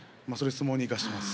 相撲に生かしてます。